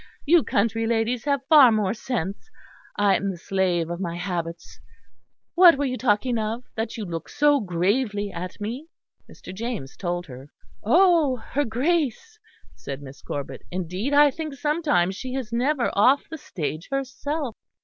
You country ladies have far more sense. I am the slave of my habits. What were you talking of, that you look so gravely at me?" Mr. James told her. "Oh, her Grace!" said Miss Corbet. "Indeed, I think sometimes she is never off the stage herself.